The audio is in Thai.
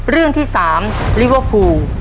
เรื่องที่๓ลิเวอร์ฟูล